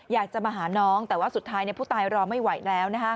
อยากจะมาหาน้องแต่ว่าสุดท้ายผู้ตายรอไม่ไหวแล้ว